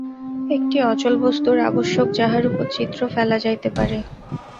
একটি অচল বস্তুর আবশ্যক, যাহার উপর চিত্র ফেলা যাইতে পারে।